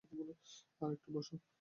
আর একটু বস।